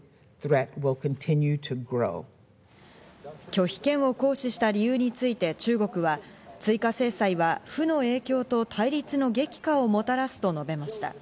拒否権を行使した理由について中国は、追加制裁は負の影響と対立の激化をもたらすと述べました。